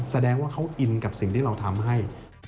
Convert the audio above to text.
แสดงว่าเขาอินกับสิ่งที่เราทำให้